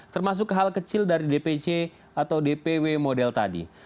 termasuk hal kecil dari dpc atau dpw model tadi